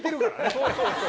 そうそう。